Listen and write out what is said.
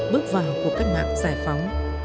bước vào cuộc cách mạng giải phóng